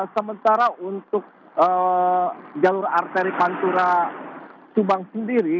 sementara untuk jalur arteri pantura subang sendiri